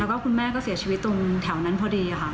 แล้วก็คุณแม่ก็เสียชีวิตตรงแถวนั้นพอดีค่ะ